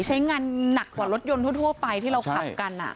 ใช้งานหนักกว่ารถยนต์ทั่วไปที่เราขับกัน